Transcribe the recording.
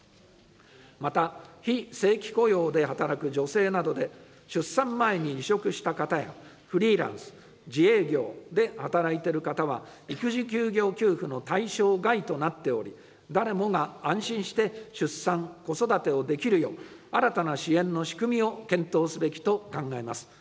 また、非正規雇用で働く女性などで、出産前に離職した方や、フリーランス・自営業で働いている方は、育児休業給付の対象外となっており、誰もが安心して出産・子育てをできるよう、新たな支援の仕組みを検討すべきと考えます。